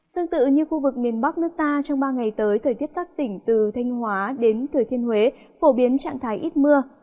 tương tự như khu vực miền bắc nước ta trong ba ngày tới thời tiết các tỉnh từ thanh hóa đến thừa thiên huế phổ biến trạng thái ít mưa